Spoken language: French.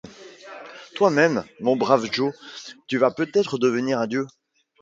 Toi-même, mon brave Joe, tu vas peut-être devenir un dieu.